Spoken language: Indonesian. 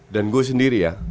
dan gue sendiri ya